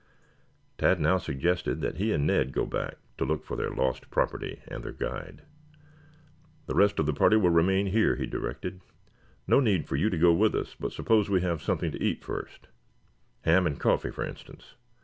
Tad now suggested that he and Ned go back to look for their lost property and their guide. "The rest of the party will remain here," he directed. "No need for you to go with us, but suppose we have something to eat first ham and coffee, for instance."